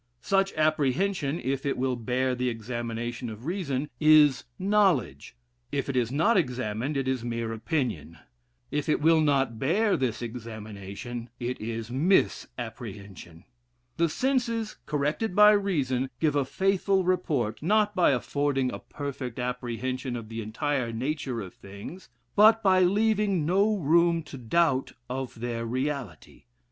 Such apprehension, if it will bear the examination of reason, is knowledge; if it is not examined, it is mere opinion; if it will not bear this examination, it is misapprehension. The senses, corrected by reason, give a faithful report; not by affording a perfect apprehension of the entire nature of things, but by leaving no room to doubt of their reality.